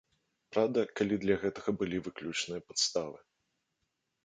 Праўда, калі для гэтага былі выключныя падставы.